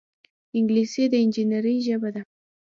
انګلیسي د انجینرۍ ژبه ده